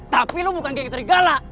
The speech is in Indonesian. tapi lo bukan geng sergala